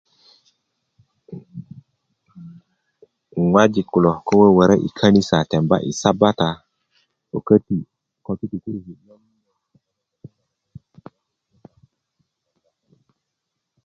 ŋojik kulo ko wöwörö i kanisa temb i sabata ko köti ko tutukuruki